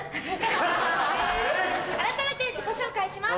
改めて自己紹介します。